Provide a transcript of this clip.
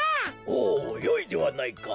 おおよいではないか。